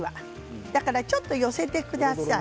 だからちょっと寄せてください。